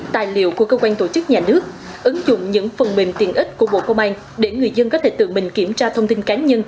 tài liệu của cơ quan tổ chức nhà nước ứng dụng những phần mềm tiện ích của bộ công an để người dân có thể tự mình kiểm tra thông tin cá nhân